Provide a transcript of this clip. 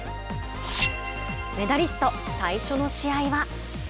メダリスト、最初の試合は。